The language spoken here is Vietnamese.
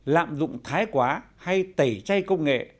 lạm dụng thái quá hay tẩy chay công nghệ